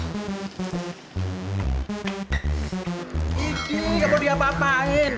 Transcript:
gigi gak mau diapain